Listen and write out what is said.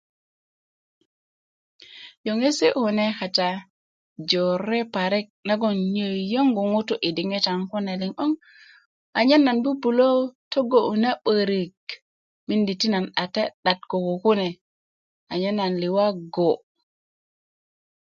yöŋesi' kune kata jore parik nagon yöyöŋgu ŋutuu yi diŋitan kune liŋ 'boŋ anyen nan bubulö tog'yu na 'börik mindi ti nan 'date 'dat koo kune anyen nan liwa go'